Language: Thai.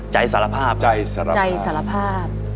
ใจสารภาพใจสารภาพ